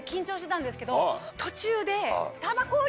途中で。